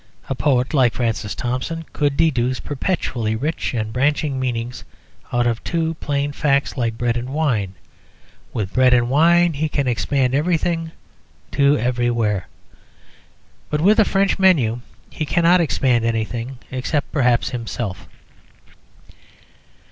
A poet like Francis Thompson could deduce perpetually rich and branching meanings out of two plain facts like bread and wine; with bread and wine he can expand everything to everywhere. But with a French menu he cannot expand anything; except perhaps himself.